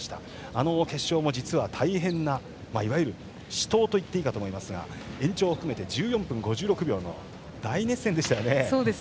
あの決勝も実は、大変ないわゆる死闘と言っていいかと思いますが延長含めて１４分５６秒の大熱戦でしたよね。